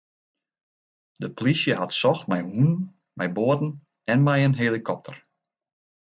De plysje hat socht mei hûnen, mei boaten en mei in helikopter.